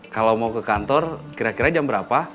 kalau mau ke kantor kira kira jam berapa